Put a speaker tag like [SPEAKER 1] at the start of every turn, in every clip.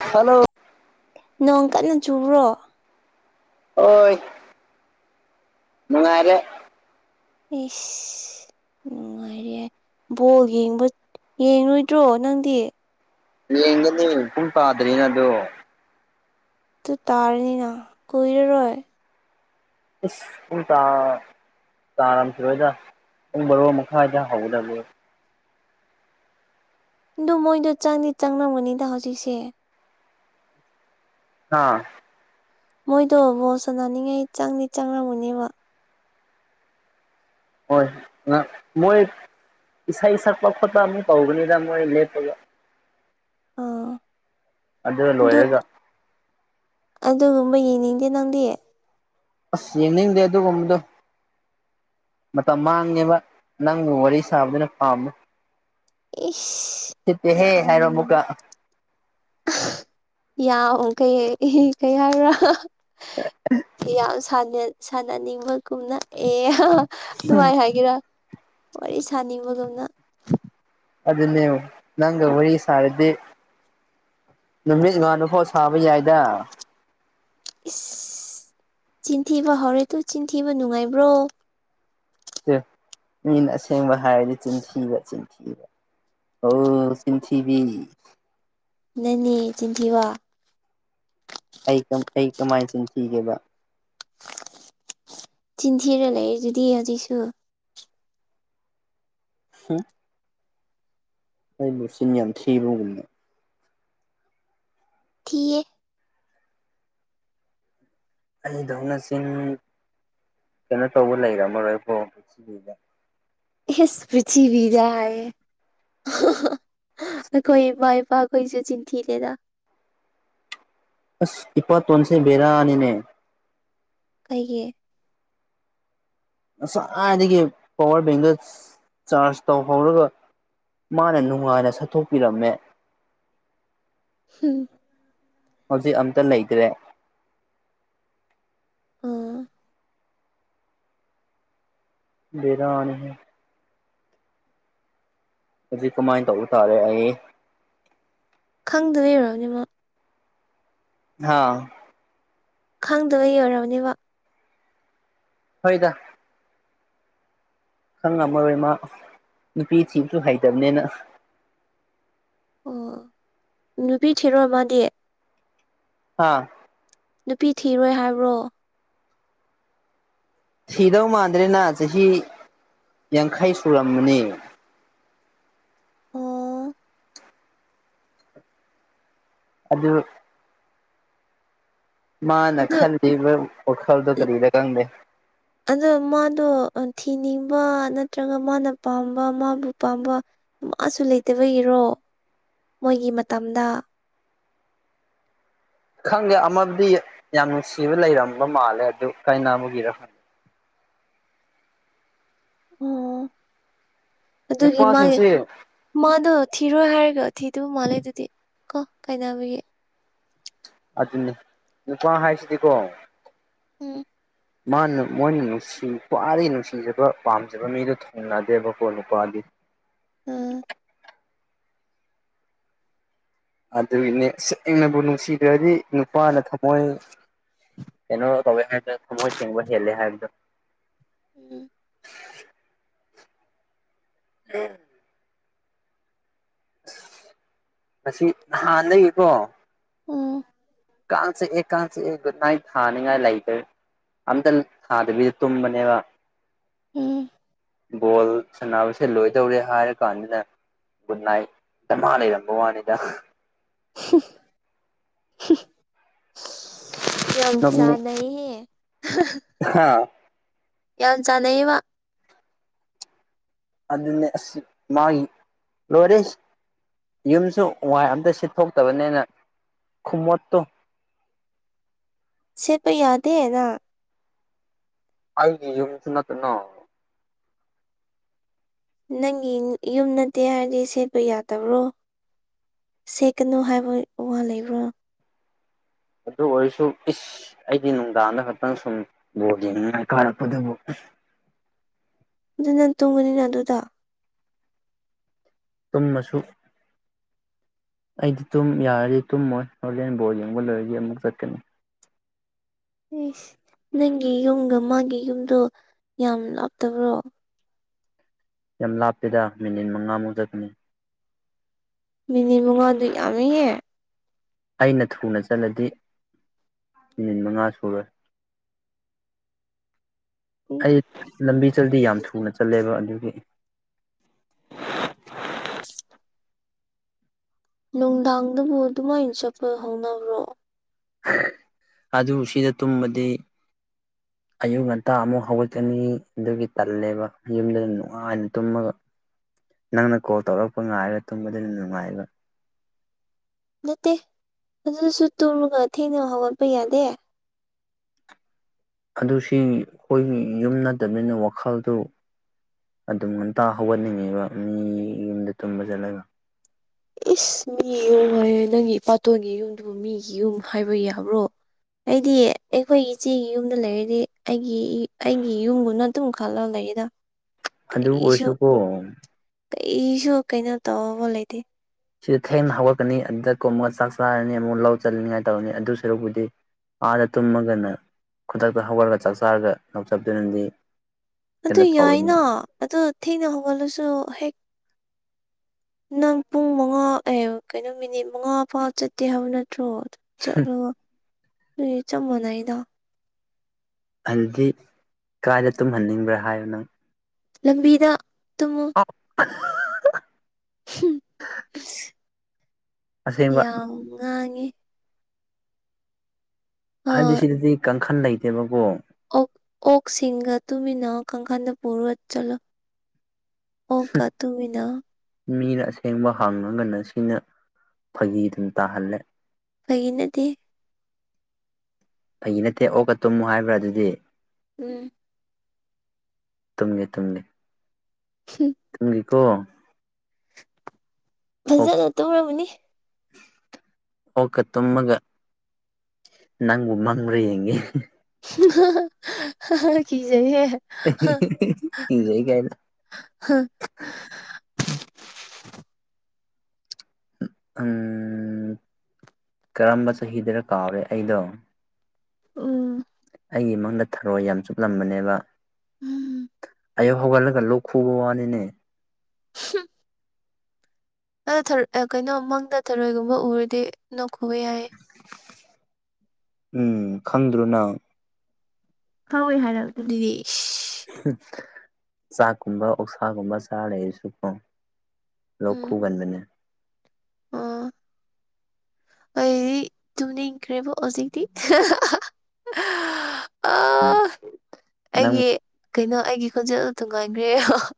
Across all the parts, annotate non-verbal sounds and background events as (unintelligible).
[SPEAKER 1] hello
[SPEAKER 2] ꯅꯣꯡ ꯀꯟꯅ ꯆꯨꯕ꯭ꯔꯣ
[SPEAKER 1] ꯑꯣꯏ ꯅꯨꯉꯥꯏꯔꯦ
[SPEAKER 2] ꯏ ꯅꯨꯡꯉꯥꯏꯔꯦ ꯌꯥꯏ ꯕꯣꯜ ꯌꯦꯡꯕ ꯌꯦꯡꯉꯣꯏꯗ꯭ꯔꯣ ꯅꯪꯗꯤ
[SPEAKER 1] ꯌꯦꯡꯒꯅꯤ ꯄꯨꯡ ꯇꯥꯗ꯭ꯔꯤꯅ ꯑꯗꯣ
[SPEAKER 2] ꯑꯗꯨ ꯇꯥꯔꯅꯤꯅ ꯀꯨꯏꯔꯔꯣꯏ
[SPEAKER 1] ꯏꯁ ꯎꯗ ꯇꯥꯔꯝꯊꯔꯣꯏꯗ ꯄꯨꯡ ꯔꯣ ꯃꯈꯥꯏꯗ ꯍꯧꯒꯗꯕꯦ
[SPEAKER 2] ꯑꯗꯣ ꯃꯣꯏꯗꯣ ꯆꯪꯅꯤ ꯆꯪꯂꯝꯒꯅꯤꯗ ꯍꯧꯖꯤꯛꯁꯦ
[SPEAKER 1] ꯍꯥꯥ
[SPEAKER 2] ꯃꯣꯏꯗꯣ ꯕꯣ ꯁꯥꯟꯅꯅꯤꯡꯉꯥꯏ ꯆꯪꯗꯤ ꯆꯪꯉꯝꯃꯨꯅꯦꯕ
[SPEAKER 1] ꯍꯣꯏ ꯃꯣꯏ ꯏꯁꯥ ꯏꯁꯛꯄ ꯈꯣꯠꯇ ꯑꯃꯨꯛ ꯇꯧꯒꯅꯤꯗ ꯃꯣꯏ ꯂꯦꯠ ꯑꯣꯏꯕ
[SPEAKER 2] ꯑꯥ
[SPEAKER 1] ꯑꯗꯨ ꯂꯣꯏꯔꯒ
[SPEAKER 2] ꯑꯗꯨꯒꯨꯝꯕ ꯌꯦꯡꯅꯤꯡꯗꯦ ꯅꯪꯗꯤ
[SPEAKER 1] ꯑꯁ ꯌꯦꯡꯅꯤꯡ ꯗꯦꯗꯒꯨꯝꯗꯣ ꯃꯇꯝ ꯃꯥꯡꯉꯦꯕ ꯅꯪꯕꯨ ꯋꯥꯔꯤ ꯁꯥꯕꯗꯨꯅ ꯄꯥꯝꯃꯦ
[SPEAKER 2] ꯏ
[SPEAKER 1] ꯁꯤꯠꯇꯦꯍꯦ ꯍꯥꯏꯔꯣ ꯑꯃꯨꯛꯀ
[SPEAKER 2] ꯌꯥ ꯀꯩ ꯀꯩ ꯍꯥꯏꯔ ꯌꯥꯝ ꯁꯥꯟꯅꯅꯤꯡꯕ ꯀꯨꯝꯅ ꯑꯦ ꯅꯨꯡꯉꯥꯏ ꯍꯥꯏꯒꯦꯔꯥ ꯋꯥꯔꯤ ꯁꯥꯅꯤꯡꯕꯗꯧꯅ
[SPEAKER 1] ꯑꯗꯨꯗꯅꯦꯦ ꯅꯪ ꯍꯔꯤ ꯁꯥꯔꯗꯤꯦ ꯅꯨꯃꯤꯠ ꯉꯥꯅꯨꯐꯥꯎ ꯁꯥꯕ ꯌꯥꯏꯗ
[SPEAKER 2] ꯏꯁ ꯆꯤꯟꯊꯤꯕ ꯍꯧꯔꯦ ꯇꯨ ꯆꯤꯟꯊꯤꯕ ꯅꯨꯡꯉꯥꯏꯕ꯭ꯔꯣ
[SPEAKER 1] ꯃꯤꯅ ꯑꯁꯦꯡꯕ ꯍꯥꯏꯔꯗꯤ ꯆꯤꯟꯊꯤꯕ ꯆꯤꯟꯊꯤꯕ ꯍ ꯁꯤꯟꯁꯤꯤꯕꯤ
[SPEAKER 2] ꯅꯅꯦ ꯆꯤꯟꯊꯤꯕ
[SPEAKER 1] ꯑꯩ ꯀ ꯑꯩ ꯀꯃꯥꯏꯁꯅꯤ ꯊꯦꯕꯕꯥ
[SPEAKER 2] ꯇꯤꯟꯊꯔ ꯂꯩ ꯑꯗꯨꯗꯤ ꯑꯇꯩꯩꯁꯨ
[SPEAKER 1] ꯁ ꯑꯩꯥꯏꯕꯣ ꯁꯤꯅꯤꯌꯥꯅ ꯊ꯭ꯔꯤꯕꯒꯨꯝꯅ
[SPEAKER 2] ꯊꯤꯌꯦ
[SPEAKER 1] ꯑꯩꯗ ꯍꯧꯅꯆꯤꯟ ꯀꯩꯅꯣ ꯇꯧꯕ ꯂꯩꯔꯝꯃꯔꯣꯏꯀꯣ ꯁꯤꯒꯤꯗ
[SPEAKER 2] ꯄꯕꯤ ꯌꯥꯑ ꯀꯣꯏ ꯄꯏ ꯄ ꯍꯣꯏꯁꯨ ꯆꯤꯟꯊꯤꯂꯗ
[SPEAKER 1] ꯑꯁ ꯏꯄꯥꯇ ꯑꯣꯟꯁꯤꯦ ꯦꯔꯥꯅꯤꯅꯦ
[SPEAKER 2] ꯑꯩꯒꯤ
[SPEAKER 1] ꯉꯁꯋꯥꯏꯗꯒꯤ ꯄꯋꯥꯔ ꯕꯦꯡꯗ ꯆꯥꯔꯖ ꯇꯧꯍꯧꯔꯒ ꯃꯥꯅ ꯅꯨꯡꯉꯥꯏꯅ ꯁꯠꯠꯇꯣꯛꯄꯤꯔꯝꯃꯦ
[SPEAKER 2] ꯎꯝ
[SPEAKER 1] ꯍꯧꯖꯤꯛ ꯑꯝꯇ ꯂꯩꯇ꯭ꯔꯦ
[SPEAKER 2] ꯑꯥ
[SPEAKER 1] ꯕꯤꯗꯥꯅꯤ ꯑꯗꯨ ꯀꯃꯥꯏꯅ ꯇꯧꯕ ꯇꯥꯔꯦ ꯑꯩ
[SPEAKER 2] ꯈꯪꯗꯅ ꯂꯩꯔꯔꯕꯅꯤꯃꯣ
[SPEAKER 1] ꯍꯥꯥ
[SPEAKER 2] ꯈꯪꯗꯕ ꯌꯣꯏꯔꯕꯅꯦꯕ
[SPEAKER 1] ꯍꯣꯏꯗ ꯈꯪꯉꯝꯃꯔꯣꯏ ꯃꯥ ꯅꯨꯄꯤ ꯊꯤꯕꯁꯨ ꯍꯩꯇꯕꯅꯦꯅ
[SPEAKER 2] ꯑꯣ ꯅꯨꯄꯤ ꯊꯤꯔꯣ ꯃꯥꯗꯤ
[SPEAKER 1] ꯍꯥꯥ
[SPEAKER 2] ꯅꯨꯄꯤ ꯊꯤꯔꯣꯏ ꯍꯥꯏꯕ꯭ꯔꯣ
[SPEAKER 1] ꯊꯤꯗꯧ ꯃꯥꯟꯗ꯭ꯔꯦꯅ ꯆꯍꯤ ꯌꯥꯡꯈꯩ ꯁꯨꯔꯃꯅꯤ
[SPEAKER 2] ꯑꯣ
[SPEAKER 1] ꯑꯗꯨ ꯃꯥꯅ
[SPEAKER 2] ꯑꯗꯨ
[SPEAKER 1] ꯈꯟꯕ ꯋꯥꯈꯜꯗꯣ ꯀꯔꯤꯗ ꯈꯪꯗꯦ
[SPEAKER 2] ꯑꯗꯣ ꯃꯥꯗꯣ ꯊꯤꯅꯤꯡꯕ ꯅꯠꯇ꯭ꯔꯒ ꯃꯥꯅ ꯄꯥꯝꯕ ꯃꯥꯕꯨ ꯄꯥꯝꯕ ꯃꯥꯁꯨ ꯂꯩꯇꯕꯒꯤꯔꯣ ꯃꯣꯏꯒꯤ ꯃꯇꯝꯗ
[SPEAKER 1] ꯈꯪꯗꯦ ꯑꯃꯗꯤ ꯌꯥꯝ ꯅꯨꯡꯁꯤꯕ ꯂꯩꯔꯝꯕ ꯃꯥꯜꯂꯦ ꯑꯗꯨ ꯀꯥꯏꯅꯕꯒꯤꯔ ꯈꯪꯗꯦ
[SPEAKER 2] ꯑꯣ ꯑꯗꯨꯒꯤ ꯃꯥꯒꯤ
[SPEAKER 1] ꯅꯨꯄꯥꯁꯤꯡꯁꯦ
[SPEAKER 2] ꯃꯥꯗꯣ ꯊꯤꯔꯣꯏ ꯍꯥꯏꯔꯒ ꯊꯤꯗꯕ ꯃꯥꯜꯂꯦ ꯑꯗꯨꯗꯤ ꯀꯣ ꯀꯥꯏꯅꯕꯒꯤ
[SPEAKER 1] ꯑꯗꯨꯅꯤ ꯅꯨꯄꯥ ꯍꯥꯏꯁꯤꯗꯤꯀꯣ
[SPEAKER 2] ꯎꯝ
[SPEAKER 1] ꯃꯥꯅ ꯃꯣꯏꯅ ꯅꯨꯡꯁꯤ ꯈ꯭ꯋꯥꯏꯗꯒꯤ ꯅꯨꯡꯁꯤꯖꯕ ꯄꯥꯝꯖꯕ ꯃꯤꯗꯨ ꯊꯨꯡꯅꯗꯦꯕꯀꯣ ꯅꯨꯄꯥꯗꯤ
[SPEAKER 2] ꯎꯝ
[SPEAKER 1] ꯑꯗꯨꯒꯤꯅꯦ ꯁꯦꯡꯅꯕꯨ ꯅꯨꯡꯁꯤꯗ꯭ꯔꯗꯤ ꯅꯨꯄꯥꯅ ꯊꯝꯃꯣꯏ ꯀꯩꯅꯣ ꯇꯧꯋꯦ ꯍꯥꯏ ꯊꯃꯣꯏ ꯁꯦꯡꯕ ꯍꯦꯂꯦ ꯍꯥꯏꯗ
[SPEAKER 2] ꯎꯝ
[SPEAKER 1] ꯎꯝ ꯑꯁ ꯃꯁꯤ ꯅꯍꯥꯟꯗꯒꯤꯀꯣ
[SPEAKER 2] ꯑꯝ
[SPEAKER 1] ꯀꯥꯡ ꯆꯤꯛꯑꯦ ꯀꯥꯡ ꯆꯤꯛꯑꯦ ꯒꯨꯠ ꯅꯥꯏꯠ ꯊꯥꯅꯤꯉꯥꯏ ꯂꯩꯇ ꯑꯝꯇ ꯊꯥꯗꯕꯤꯗ ꯇꯨꯝꯕꯅꯦꯕ
[SPEAKER 2] ꯎꯝ
[SPEAKER 1] ꯕꯣꯜ ꯁꯥꯟꯅꯕꯁꯦ ꯂꯣꯏꯗꯧꯔꯦ ꯍꯥꯏꯔ ꯀꯥꯟꯗꯨꯗ ꯒꯨꯠ ꯅꯥꯏꯠ ꯑꯥꯃꯥ ꯂꯩꯔꯝꯕ ꯋꯥꯅꯤꯗ
[SPEAKER 2] ꯍꯝ ꯍꯝ ꯌꯥꯝ ꯆꯥꯅꯩꯅꯦ
[SPEAKER 1] ꯍꯥꯥ
[SPEAKER 2] ꯌꯥꯝ ꯆꯥꯅꯩ ꯕ
[SPEAKER 1] ꯑꯗꯨꯅꯦ ꯑꯁ ꯃꯥꯒꯤ ꯂꯣꯏꯔꯦ ꯌꯨꯝꯁꯨ ꯋꯥꯏ ꯑꯝꯇ ꯁꯤꯠꯊꯣꯛꯇꯕꯅꯤꯅ ꯈꯨꯃꯣꯠꯇꯣ
[SPEAKER 2] ꯁꯤꯠꯄ ꯌꯥꯗꯦ ꯅꯪ
[SPEAKER 1] ꯑꯩꯒꯤ ꯌꯨꯝꯁꯨ ꯅꯠꯇꯅ
[SPEAKER 2] ꯅꯪꯒꯤ ꯌꯨꯝ ꯅꯠꯇꯦ ꯍꯥꯏꯔꯗꯤ ꯁꯦꯠꯄ ꯌꯥꯗꯕ꯭ꯔꯣ ꯁꯤꯠꯀꯅꯨ ꯍꯥꯏꯕ ꯋꯥ ꯂꯩꯕ꯭ꯔꯥ
[SPEAKER 1] ꯑꯗꯨ ꯑꯣꯏꯔꯁꯨ ꯏꯁ ꯑꯩꯗꯤ ꯅꯨꯡꯗꯥꯡꯗ ꯈꯛꯇꯪ ꯁꯨꯝ ꯕꯣꯟ ꯌꯦꯡꯅꯤꯡꯉꯥꯏ ꯀꯥꯔꯛꯄꯗꯨꯕꯨ
[SPEAKER 2] ꯑꯗꯨ ꯅꯪ ꯇꯨꯡꯕꯅꯤꯅ ꯑꯗꯨꯗ
[SPEAKER 1] ꯇꯨꯝꯃꯁꯨ ꯑꯩꯗꯤ ꯇꯨꯝ ꯌꯥꯔꯗꯤ ꯇꯨꯝꯃꯣꯏ ꯍꯣꯂꯦꯟ ꯕꯣꯟ ꯌꯦꯡꯕ ꯂꯣꯏꯔꯗꯤ ꯑꯃꯨꯛ ꯆꯠꯀꯅꯤ
[SPEAKER 2] ꯑꯦ ꯅꯪꯒꯤ ꯌꯨꯝꯒ ꯃꯥꯒꯤ ꯌꯨꯝꯗꯣ ꯌꯥꯝ ꯂꯥꯞꯇꯕ꯭ꯔꯣ
[SPEAKER 1] ꯌꯥꯝ ꯂꯥꯞꯄꯦꯗ ꯃꯤꯅꯤꯠ ꯃꯉꯥꯃꯨꯛ ꯆꯠꯕꯅꯤ
[SPEAKER 2] ꯃꯤꯅꯤꯠ ꯃꯉꯥꯗꯤ ꯌꯝꯃꯤꯍꯦ
[SPEAKER 1] ꯑꯩꯅ ꯊꯨꯅ ꯆꯠꯂꯗꯤ ꯃꯤꯅꯤꯠ ꯃꯉꯥ ꯁꯨꯔꯣꯏ ꯑꯩ ꯂꯝꯕꯤ ꯆꯠꯂꯗꯤ ꯌꯥꯝ ꯊꯨꯅ ꯆꯠꯂꯦꯕ ꯑꯗꯨꯒꯤ
[SPEAKER 2] ꯅꯨꯡꯗꯥꯡꯗꯨꯕꯨ ꯑꯗꯨꯃꯥꯏꯅ ꯆꯠꯄ ꯍꯧꯅꯕ꯭ꯔꯣ
[SPEAKER 1] ꯑꯗꯨ ꯁꯤꯗ ꯇꯨꯝꯃꯗꯤ
[SPEAKER 2] (inaudible)
[SPEAKER 1] ꯑꯌꯨꯛ ꯉꯟꯇꯥ ꯑꯃꯨꯛ ꯍꯧꯒꯠꯀꯅꯤ ꯑꯗꯨꯒꯤ ꯇꯜꯂꯦꯕ ꯌꯨꯝꯗꯨꯗ ꯅꯨꯡꯉꯥꯏꯅ ꯇꯨꯝꯃꯒ ꯅꯪꯅ ꯀꯣꯜ ꯇꯧꯔꯛꯄ ꯉꯥꯏꯔ ꯇꯨꯝꯕꯗꯨꯅ ꯅꯨꯡꯉꯥꯏꯕ
[SPEAKER 2] ꯅꯠꯇꯦ ꯑꯗꯨꯁꯨ ꯇꯨꯝꯃꯥꯒ ꯊꯦꯡꯅ ꯍꯧꯒꯠꯄ ꯌꯥꯗꯦ
[SPEAKER 1] ꯑꯗꯨ ꯁꯤꯒꯤ ꯑꯈꯣꯏꯒꯤ ꯌꯨꯝ ꯅꯠꯇꯃꯤꯅ ꯋꯥꯈꯜꯗꯨ ꯑꯗꯨꯝ ꯉꯟꯇꯥ ꯍꯧꯒꯠꯅꯤꯡꯉꯦꯕ ꯃꯤ ꯌꯨꯝꯗ ꯇꯨꯝꯕ ꯆꯠꯂꯒ
[SPEAKER 2] ꯏꯁ ꯃꯤ ꯌꯨꯝ ꯍꯥꯏꯌꯦ ꯅꯪꯒꯤ ꯏꯄꯥꯇꯣꯟꯒꯤ ꯌꯨꯝꯗꯨꯕꯨ ꯃꯤꯒꯤ ꯌꯨꯝ ꯍꯥꯏꯕ ꯌꯥꯕ꯭ꯔꯣ ꯑꯩꯗꯤ ꯑꯩꯈꯣꯏꯒꯤ ꯏꯆꯦꯒꯤ ꯌꯨꯝꯗ ꯂꯩꯔꯗꯤ ꯑꯩꯒꯤ ꯑꯩꯒꯤ ꯌꯨꯝꯕꯨꯅ ꯑꯗꯨꯝ ꯈꯜꯂ ꯂꯩꯗ
[SPEAKER 1] ꯑꯗꯨ ꯑꯣꯏꯔꯁꯨꯀꯣ
[SPEAKER 2] ꯀꯩꯁꯨ ꯀꯩꯅꯣ ꯇꯧꯕ ꯂꯩꯇꯦ
[SPEAKER 1] ꯁꯤꯗ ꯊꯦꯡꯅ ꯍꯧꯒꯠꯀꯅꯤ ꯑꯗꯨꯗ ꯀꯣꯝꯃꯒ ꯆꯥꯛ ꯆꯥꯔꯅꯤ ꯑꯃꯨꯛ ꯂꯧ ꯆꯜꯂꯅꯤꯉꯥꯏ ꯇꯧꯔꯅꯤ ꯑꯗꯨ ꯁꯔꯨꯛꯄꯨꯗꯤ ꯑꯥꯗ ꯇꯨꯝꯃꯒꯅ ꯈꯨꯗꯛꯇ ꯍꯧꯒꯠꯂ ꯆꯥꯛ ꯆꯥꯔꯒ ꯂꯧ ꯆꯞꯗꯨꯅꯗꯤ
[SPEAKER 2] ꯑꯗꯨ ꯌꯥꯏꯅ ꯑꯗꯨ ꯊꯦꯡꯅ ꯍꯧꯒꯠꯂꯁꯨ ꯍꯦꯛ ꯅꯪ ꯄꯨꯡ ꯃꯉꯥ ꯑꯦ ꯀꯩꯅꯣ ꯃꯤꯅꯤꯠ ꯃꯉꯥ ꯐꯥꯎ ꯆꯠꯇꯦ ꯍꯥꯏꯕ ꯅꯠꯇ꯭ꯔꯣ ꯆꯠꯂꯣ ꯑꯗꯨꯗꯤ ꯆꯞ ꯃꯥꯟꯅꯩꯗ
[SPEAKER 1] ꯑꯪꯗꯤ ꯀꯥꯏꯗ ꯇꯨꯝꯍꯟꯅꯤꯡꯕ꯭ꯔꯥ ꯍꯥꯏꯌꯣ ꯅꯪ
[SPEAKER 2] ꯂꯝꯕꯤꯗ ꯇꯨꯝꯃꯣ
[SPEAKER 1] ꯑꯣ ꯑ ꯍ ꯍ ꯍ
[SPEAKER 2] ꯍꯨꯝ ꯍꯍ
[SPEAKER 1] ꯑꯁꯦꯡꯕ
[SPEAKER 2] ꯌꯥꯝ ꯉꯥꯡꯉꯦ ꯍꯣꯏ
[SPEAKER 1] ꯍꯥꯏꯗꯤ ꯁꯤꯗꯗꯤ ꯀꯥꯡꯈꯟ ꯂꯩꯇꯦꯕꯀꯣ
[SPEAKER 2] ꯑꯣꯛ ꯑꯣꯛꯁꯤꯡꯒ ꯇꯨꯃꯤꯟꯅꯧ ꯀꯥꯡꯈꯜꯗꯣ ꯄꯨꯔꯒ ꯆꯠꯂꯣ ꯑꯣꯛꯀꯥ ꯇꯨꯝꯃꯤꯟꯅꯧ
[SPEAKER 1] ꯃꯤꯅ ꯑꯁꯦꯡꯕ ꯍꯥꯡꯉꯒꯅ ꯁꯤꯅ ꯐꯥꯒꯤꯗꯨꯝ ꯇꯥꯍꯜꯂꯦ
[SPEAKER 2] ꯐꯥꯒꯤ ꯅꯠꯇꯦꯍꯦ
[SPEAKER 1] ꯐꯥꯒꯤ ꯅꯠꯇꯦ ꯑꯣꯛꯀ ꯇꯨꯝꯃꯨ ꯍꯥꯏꯕ꯭ꯔꯥ ꯑꯗꯨꯗꯤ
[SPEAKER 2] ꯎꯝ
[SPEAKER 1] ꯇꯨꯝꯒꯦ ꯇꯨꯝꯒꯦ
[SPEAKER 2] ꯍꯨꯡ
[SPEAKER 1] ꯇꯨꯝꯒꯤꯀꯣ
[SPEAKER 2] ꯐꯖꯅ ꯇꯨꯝꯔꯝꯃꯅꯤ
[SPEAKER 1] ꯑꯣꯀ ꯇꯨꯝꯃꯒ ꯅꯪꯕꯨ ꯃꯪꯕ꯭ꯔꯥ ꯌꯦꯡꯒꯦ
[SPEAKER 2] ꯍꯨꯡ ꯍꯥ ꯍꯥ ꯍꯍ ꯍꯥ ꯍꯥ ꯍꯥ ꯀꯤꯖꯩꯍꯦ
[SPEAKER 1] ꯑꯍꯤ ꯍꯤ ꯍꯤ ꯀꯤꯖꯩ ꯀꯥꯏꯅ
[SPEAKER 2] ꯍ
[SPEAKER 1] ꯎꯝ ꯀꯔꯝꯕ ꯆꯍꯤꯗꯔ ꯀꯥꯎꯔꯦ ꯑꯩꯗꯣ
[SPEAKER 2] ꯎꯝ
[SPEAKER 1] ꯑꯩꯒꯤ ꯃꯪꯗ ꯊꯔꯣꯏ ꯌꯥꯝ ꯆꯨꯞꯂꯝꯕꯅꯦꯕ
[SPEAKER 2] ꯎꯝ
[SPEAKER 1] ꯑꯌꯨꯛ ꯍꯧꯒꯠꯂꯒ ꯂꯣꯛ ꯈꯨꯕ ꯋꯥꯅꯤꯅꯦ
[SPEAKER 2] ꯍꯨꯝ ꯑꯗꯣ ꯊꯔꯣꯏ ꯑꯦ ꯀꯩꯅꯣ ꯃꯪꯗ ꯊꯔꯣꯏꯒꯨꯝꯕ ꯎꯔꯗꯤ ꯅꯣꯛ ꯈꯨꯋꯦ ꯍꯥꯏꯌꯦ
[SPEAKER 1] ꯎꯝ ꯈꯪꯗ꯭ꯔꯣ ꯅꯪ
[SPEAKER 2] ꯐꯥꯎꯋꯦ ꯍꯥꯏꯔꯛ ꯑꯗꯨꯗꯤ ꯁꯁ
[SPEAKER 1] ꯍꯨꯡ ꯍꯍ ꯆꯥꯛꯀꯨꯝꯕ ꯑꯣꯛꯁꯥꯒꯨꯝꯕ ꯆꯥꯔ ꯂꯩꯔꯁꯨꯀꯣ ꯂꯣꯛ
[SPEAKER 2] ꯎꯝ
[SPEAKER 1] ꯈꯨꯒꯟꯕꯅꯦ
[SPEAKER 2] ꯑꯣ ꯑꯩꯗꯤ ꯇꯨꯝꯅꯤꯡ ꯈ꯭ꯔꯦꯕꯣ ꯍꯧꯖꯤꯛꯇꯤ ꯍꯥ ꯍꯥ ꯍꯥ ꯍꯍ ꯍꯍ ꯑꯥ
[SPEAKER 1] ꯎꯝ ꯅꯪ
[SPEAKER 2] ꯑꯩꯒꯤ ꯀꯩꯅꯣ ꯑꯩꯒꯤ ꯈꯣꯟꯖꯦꯜꯗ ꯊꯨꯡꯉꯥꯏꯈ꯭ꯔꯦ ꯍꯍ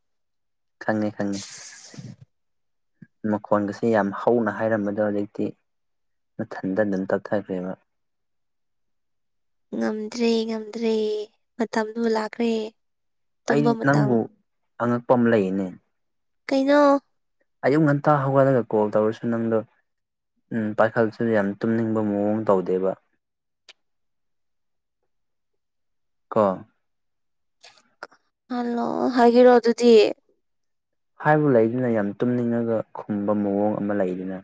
[SPEAKER 1] ꯈꯪꯉꯦ ꯈꯪꯉꯦ ꯃꯈꯣꯟꯒꯁꯦ ꯌꯥꯝ ꯍꯧꯅ ꯍꯥꯏꯔꯝꯕꯗꯣ ꯍꯧꯖꯤꯛꯇꯤ ꯃꯊꯟꯇ ꯑꯗꯨꯝ ꯇꯞꯊꯈ꯭ꯔꯦꯕ
[SPEAKER 2] ꯉꯝꯗ꯭ꯔꯦ ꯉꯝꯗ꯭ꯔꯦ ꯃꯇꯝꯗꯨ ꯂꯥꯛꯈ꯭ꯔꯦ
[SPEAKER 1] ꯑꯩ
[SPEAKER 2] ꯇꯨꯝꯕ ꯃꯇꯝ
[SPEAKER 1] ꯅꯪꯕꯨ ꯑꯉꯛꯄ ꯑꯃ ꯂꯩꯅꯦ
[SPEAKER 2] ꯀꯩꯅꯣ
[SPEAKER 1] ꯑꯌꯨꯛ ꯉꯟꯇꯥ ꯍꯧꯒꯠꯂꯒ ꯀꯣꯜ ꯇꯧꯔꯁꯨ ꯅꯪꯗꯣ ꯎꯝ ꯄꯥꯏꯈꯠꯁꯨ ꯌꯥꯝ ꯇꯨꯝꯅꯤꯡꯕ ꯃꯑꯣꯡ ꯇꯧꯗꯦꯕ ꯀꯣ
[SPEAKER 2] ꯍꯜꯂꯣ ꯍꯥꯏꯒꯦꯔꯣ ꯑꯗꯨꯗꯤ
[SPEAKER 1] ꯍꯥꯏꯕꯨ ꯂꯩꯗꯨꯅ ꯌꯥꯝ ꯇꯨꯝꯅꯤꯡꯉꯒ ꯈꯨꯝꯕ ꯃꯑꯣꯡ ꯑꯃ ꯂꯩꯗꯅ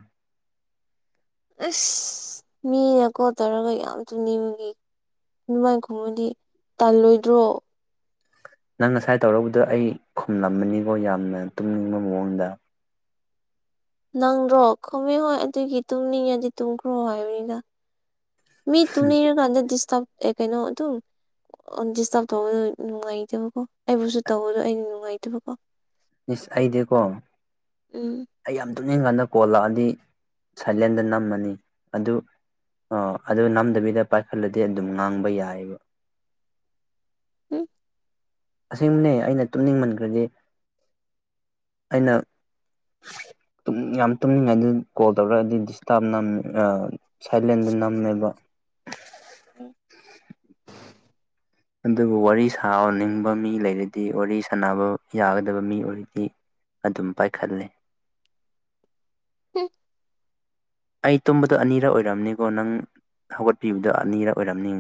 [SPEAKER 2] ꯑꯁ ꯃꯤꯅ ꯈꯣꯠꯇꯔꯒ ꯌꯥꯝ ꯇꯨꯅꯤꯡꯕꯤ ꯑꯗꯨꯃꯥꯏ ꯈꯨꯝꯃꯥꯗꯤ ꯇꯥꯜꯂꯣꯏꯗ꯭ꯔꯣ
[SPEAKER 1] ꯅꯪ ꯉꯁꯥꯏ ꯇꯧꯔꯕꯗꯣ ꯑꯩ ꯈꯨꯝꯂꯝꯃꯅꯤꯀꯣ ꯌꯥꯝꯅ ꯇꯨꯝꯅꯤꯡꯕ ꯃꯑꯣꯡꯗ
[SPEAKER 2] ꯅꯪꯗ꯭ꯔꯣ ꯈꯨꯃꯦ ꯍꯣꯏ ꯑꯗꯨꯒꯤ ꯇꯨꯝꯅꯤꯡꯉꯗꯤ ꯇꯨꯝꯈ꯭ꯔꯣ ꯍꯥꯏꯕꯅꯤꯗ ꯃꯤ ꯇꯨꯝꯅꯤꯔꯀꯥꯟꯗ ꯗꯤꯁꯇꯔꯕ ꯑꯦ ꯀꯩꯅꯣ ꯑꯗꯨ ꯗꯤꯁꯇꯥꯔꯕ ꯇꯧꯕꯗ ꯅꯨꯡꯉꯥꯏꯇꯕꯀꯣ ꯑꯩꯕꯨꯁꯨ ꯇꯧꯕꯗꯣ ꯑꯩꯅ ꯅꯨꯡꯉꯥꯏꯇꯕꯀꯣ
[SPEAKER 1] ꯏꯁ ꯑꯩꯗꯤꯀꯣ
[SPEAKER 2] ꯎꯝ
[SPEAKER 1] ꯑꯩ ꯌꯥꯝ ꯇꯨꯅꯤꯡ ꯀꯥꯟꯗ ꯀꯣꯜ ꯂꯥꯛꯑꯗꯤ ꯁꯥꯏꯂꯦꯟꯗ ꯅꯝꯃꯅꯤ ꯑꯗꯨ ꯑꯣ ꯑꯗꯨ ꯅꯝꯗꯕꯤꯗ ꯄꯥꯏꯈꯠꯂꯗꯤ ꯑꯗꯨꯝ ꯉꯥꯡꯕ ꯌꯥꯏꯑꯕ
[SPEAKER 2] (unintelligible)
[SPEAKER 1] ꯑꯁꯦꯡꯝꯕꯅꯦ ꯑꯩꯅ ꯇꯨꯝꯅꯤꯡꯃꯟꯈ꯭ꯔꯗꯤ ꯑꯩꯅ ꯌꯥꯝ ꯇꯨꯝꯅꯤꯡꯉꯥꯏ ꯑꯗꯨ ꯀꯣꯜ ꯇꯧꯔꯛꯑꯗꯤ ꯗꯤꯁꯇꯥꯔꯕ ꯅꯝ ꯑ ꯁꯥꯏꯂꯦꯟꯗ ꯅꯝꯃꯦꯕ
[SPEAKER 2] (unintelligible)
[SPEAKER 1] ꯑꯗꯨꯕꯨ ꯋꯥꯔꯤ ꯁꯥꯅꯤꯡꯕ ꯃꯤ ꯂꯩꯔꯗꯤ ꯋꯥꯔꯤ ꯁꯅꯕ ꯌꯥꯒꯗꯕ ꯃꯤ ꯑꯣꯏꯔꯗꯤ ꯑꯗꯨꯝ ꯄꯥꯏꯈꯠꯂꯦ
[SPEAKER 2] (unintelligible)
[SPEAKER 1] ꯑꯩ ꯇꯨꯝꯕꯗꯣ ꯑꯅꯤꯔꯛ ꯑꯣꯏꯔꯝꯅꯤꯀꯣ ꯅꯪ ꯍꯧꯒꯠꯄꯤꯕꯗꯣ ꯑꯅꯤꯔ ꯑꯣꯏꯔꯝꯅꯤ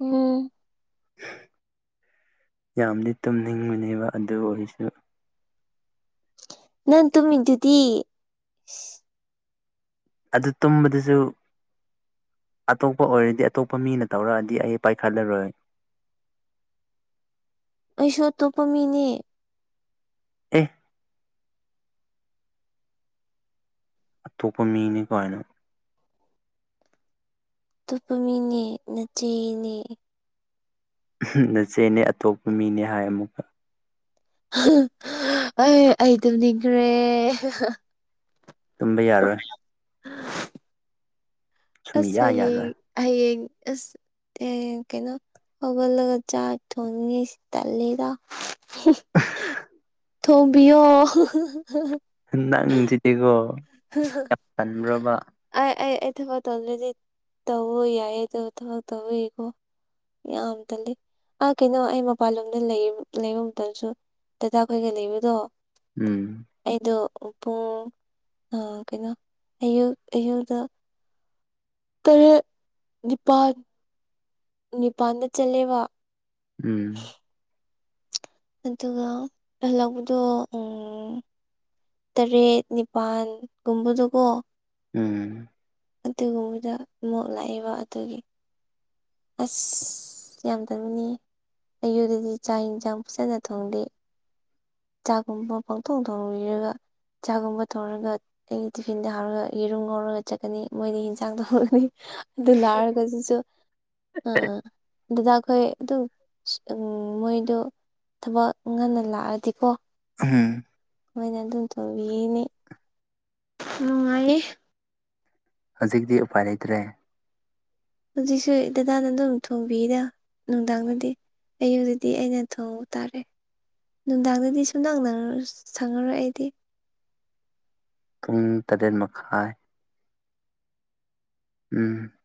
[SPEAKER 2] ꯎꯝ
[SPEAKER 1] ꯌꯥꯝꯗꯤ ꯇꯨꯝꯅꯤꯡꯕꯅꯦꯕ ꯑꯗꯨ ꯑꯣꯏꯔꯁꯨ
[SPEAKER 2] ꯅꯪ ꯇꯨꯝꯃꯤꯗꯨꯗꯤ
[SPEAKER 1] ꯑꯗꯨ ꯇꯨꯝꯕꯗꯁꯨ ꯑꯇꯣꯞꯄ ꯑꯣꯏꯔꯗꯤ ꯑꯇꯣꯞꯄ ꯃꯤꯅ ꯇꯧꯔꯛꯑꯗꯤ ꯑꯩ ꯄꯥꯏꯈꯠꯂꯔꯣꯏ
[SPEAKER 2] ꯑꯩꯁꯨ ꯑꯇꯣꯞꯄ ꯃꯤꯅꯤ
[SPEAKER 1] ꯑꯦ ꯑꯇꯣꯞꯄ ꯃꯤꯅꯤ ꯀꯏꯅ
[SPEAKER 2] ꯑꯇꯣꯞꯄ ꯃꯤꯅꯦ ꯅꯆꯦꯅꯦ
[SPEAKER 1] ꯅꯆꯦꯅꯦ ꯑꯇꯣꯞꯄ ꯃꯤꯅꯦ ꯍꯥꯏ ꯑꯃꯨꯛ
[SPEAKER 2] ꯑꯩ ꯑꯩ ꯇꯝ ꯅꯤꯡꯈ꯭ꯔꯦ
[SPEAKER 1] ꯇꯨꯝꯕ ꯌꯥꯔꯣꯏ
[SPEAKER 2] (unintelligible) ꯑꯁ
[SPEAKER 1] ꯁꯨꯝꯌꯥ
[SPEAKER 2] ꯍꯌꯦꯡ
[SPEAKER 1] ꯌꯥꯔꯣꯏ
[SPEAKER 2] ꯍꯌꯦꯡ ꯑꯁ ꯍꯌꯦꯡ ꯀꯩꯅꯣ ꯍꯧꯒꯜꯂꯒ ꯆꯥꯛ ꯊꯣꯡꯉꯤꯁꯤ ꯇꯜꯂꯤꯗ ꯊꯣꯡꯕꯤ ꯑꯣ
[SPEAKER 1] ꯅꯪꯁꯤꯗꯤꯀꯣ ꯌꯥꯝ ꯇꯟꯕ꯭ꯔꯕ
[SPEAKER 2] ꯑꯩ ꯑꯩ ꯑꯩ ꯊꯕꯛ ꯇꯧꯗ꯭ꯔꯗꯤ ꯇꯕ ꯌꯥꯏ ꯑꯗꯨ ꯊꯕꯛ ꯇꯧꯋꯀꯣ ꯌꯥꯝ ꯇꯜꯂꯤ ꯑꯥ ꯀꯩꯅꯣ ꯑꯩ ꯃꯄꯥꯟꯂꯣꯝꯗ ꯂꯩ ꯂꯩꯕ ꯃꯇꯝꯁꯨ ꯗꯥꯗꯥ ꯈꯣꯏꯒ ꯂꯩꯕꯗꯣ
[SPEAKER 1] ꯎꯝ
[SPEAKER 2] ꯑꯩꯗꯣ ꯄꯨꯡ ꯑ ꯀꯩꯅꯣ ꯑꯌꯨꯛ ꯑꯌꯨꯗ ꯇꯔꯦꯠ ꯅꯤꯄꯥꯟ ꯅꯤꯄꯥꯥꯟꯗ ꯆꯠꯂꯦꯕ
[SPEAKER 1] ꯎꯝ
[SPEAKER 2] ꯑꯗꯨꯒ ꯍꯜꯂꯛꯕꯗꯣ ꯎꯝ ꯇꯔꯦꯠ ꯅꯤꯄꯥꯜꯒꯨꯝꯕꯗꯨꯀꯣ
[SPEAKER 1] ꯎꯝ
[SPEAKER 2] ꯑꯗꯨꯒꯨꯝꯕꯗ ꯏꯣꯛ ꯂꯥꯛꯏꯕ ꯑꯗꯨꯒꯤ ꯑꯁ ꯌꯥꯝꯗꯕꯅꯤ ꯑꯌꯨꯗꯗꯤ ꯆꯥꯛ ꯌꯦꯟꯁꯥꯡ ꯐꯖꯅ ꯊꯣꯡꯗꯦ ꯆꯥꯛꯒꯨꯝꯕ ꯄꯪꯊꯣꯛ ꯊꯣꯡꯕꯤꯔꯒ ꯆꯥꯛꯒꯨꯝꯕ ꯊꯧꯔꯒ ꯑꯩꯒꯤ ꯇꯤꯐꯤꯟꯗ ꯍꯥꯎꯔꯒ ꯌꯦꯔꯨꯝ ꯉꯧꯔꯒ ꯆꯠꯀꯅꯤ ꯃꯣꯏꯗꯤ ꯌꯦꯟꯁꯥꯡ ꯇꯒꯅꯤ ꯑꯗꯨ ꯂꯥꯛꯑꯔꯒꯁꯤꯁꯨ ꯑꯥ ꯑꯥ ꯑꯗꯨꯗꯥ ꯑꯩꯈꯣꯏ ꯑꯗꯨꯝ ꯎꯝ ꯃꯣꯏꯗꯣ ꯊꯕꯛ ꯉꯟꯅ ꯂꯥꯛꯑꯗꯤꯀꯣ
[SPEAKER 1] ꯎꯝ
[SPEAKER 2] ꯃꯣꯏꯅ ꯑꯗꯨꯝ ꯇꯧꯕꯤꯅꯤ ꯅꯨꯡꯉꯥꯏꯌꯦ
[SPEAKER 1] ꯍꯧꯖꯤꯛꯇꯤ ꯎꯄꯥꯏ ꯂꯩꯇ꯭ꯔꯦ
[SPEAKER 2] ꯍꯧꯖꯤꯛꯁꯨ ꯗꯗꯥꯅ ꯑꯗꯨꯝ ꯊꯣꯡꯕꯤꯔ ꯅꯨꯡꯗꯥꯡꯗꯗꯤ ꯑꯌꯨꯗꯗꯤ ꯑꯩꯅ ꯊꯣꯡꯎ ꯇꯥꯔꯦ ꯅꯨꯡꯗꯥꯡꯗꯗꯤ ꯁꯨꯝ ꯅꯛꯅ ꯁꯪꯉꯔꯛ ꯑꯩꯗꯤ
[SPEAKER 1] ꯄꯨꯡ ꯇꯔꯦꯠ ꯃꯈꯥꯏ ꯎꯝ